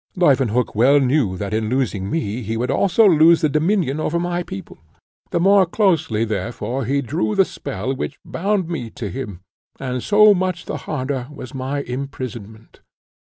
Leuwenhock well knew that in losing me he would also lose the dominion over my people; the more closely therefore he drew the spell which bound me to him, and so much the harder was my imprisonment.